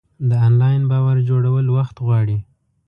د انلاین باور جوړول وخت غواړي.